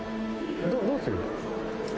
どうする？